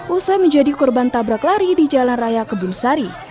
usai menjadi korban tabrak lari di jalan raya kebun sari